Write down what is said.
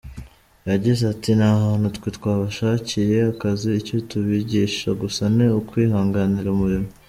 Yagize ati “Nta hantu twe twabashakiye akazi, icyo tubigisha gusa ni ukwihangira umurimo.